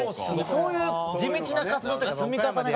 そういう地道な活動っていうか積み重ねがあった。